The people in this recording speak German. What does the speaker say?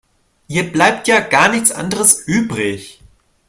Ihr bleibt ja gar nichts anderes übrig.